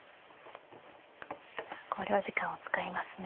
考慮時間を使いますね。